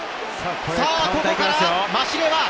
ここからマシレワ。